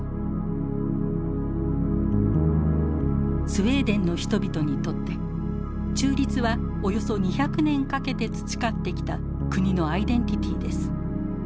スウェーデンの人々にとって「中立」はおよそ２００年かけて培ってきた国のアイデンティティーです。